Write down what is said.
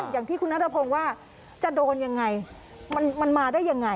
อย่างที่คุณนัทพงศ์ว่าจะโดนยังไงมันมาได้ยังไง